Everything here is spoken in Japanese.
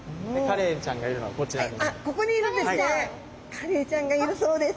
カレイちゃんがいるそうです。